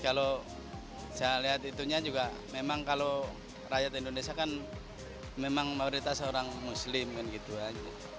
kalau saya lihat itunya juga memang kalau rakyat indonesia kan memang mayoritas orang muslim kan gitu aja